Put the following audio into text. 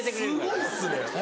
すごいっすね。